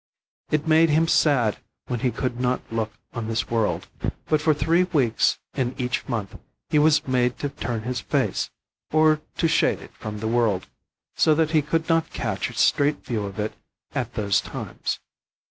It made him sad when he could not look on this world, but for three weeks in each month he was made to turn his face, or to shade it from the world, so that he could not catch a straight view of it at those times.